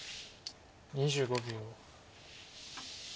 ２５秒。